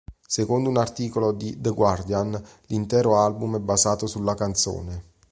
Secondo un articolo di "The Guardian", l'intero album è basato sulla canzone.